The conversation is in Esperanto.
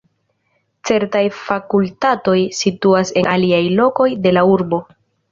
Certaj fakultatoj situas en aliaj lokoj de la urbo.